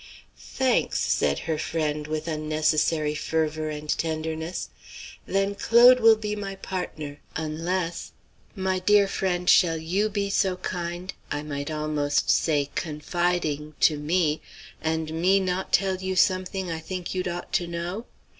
"Thanks!" said her friend, with unnecessary fervor and tenderness. "Then Claude will be my partner, unless my dear friend, shall you be so kind I might almost say confiding to me, and me not tell you something I think you'd ought to know?